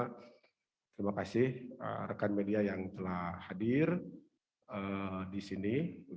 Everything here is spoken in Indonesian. terima kasih rekan media yang telah hadir di sini